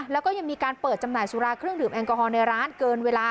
แล้วก็ยังมีการเปิดจำหน่ายสุราเครื่องดื่มแอลกอฮอลในร้านเกินเวลา